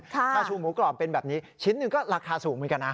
ชาชูหมูกรอบเป็นแบบนี้ชิ้นหนึ่งก็ราคาสูงเหมือนกันนะ